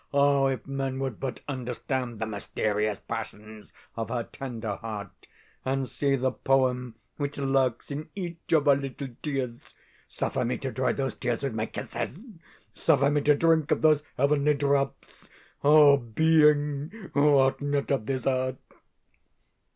Oh, if men would but understand the mysterious passions of her tender heart, and see the poem which lurks in each of her little tears! Suffer me to dry those tears with my kisses! Suffer me to drink of those heavenly drops, Oh being who art not of this earth!